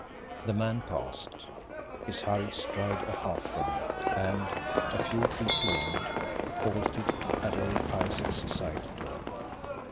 The man passed, his hurried stride a half run; and, a few feet beyond, halted at old Isaac's side door.